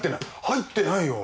入ってないよ。